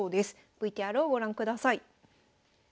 ＶＴＲをご覧ください。